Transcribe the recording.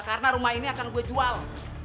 karena rumah ini akan gue jual